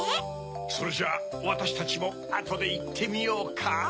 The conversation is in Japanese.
それじゃあわたしたちもあとでいってみようか。